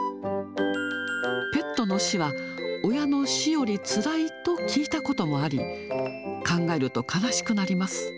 ペットの死は、親の死よりつらいと聞いたこともあり、考えると悲しくなります。